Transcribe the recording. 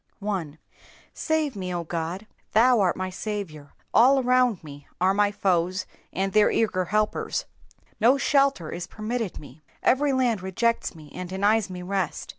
1. ^^8ave me, 0 Ood.^^ Thou art my Saviour; all around me are my foes and their eager helpers. No shelter is permitted me. Every land rejects me and denies me rest.